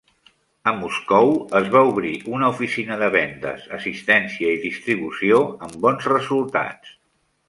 A Moscou es va obrir una oficina de vendes, assistència i distribució amb bons resultats.